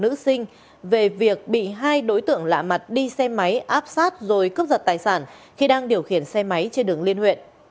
nguyễn ngọc thứ xin về việc bị hai đối tượng lạ mặt đi xe máy áp sát rồi cướp giật tài sản khi đang điều khiển xe máy trên đường liên huyện